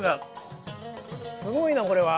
すごいなこれは。